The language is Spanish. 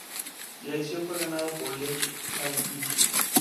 La elección fue ganada por Lech Kaczyński.